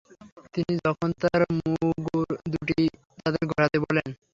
তিনি তখন তার মুগুর দুটি তাদের ঘোরাতে বলেন।